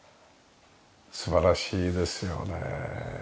素晴らしいですよね。